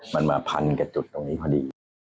มันมาพันกับจุดตรงนี้พอดี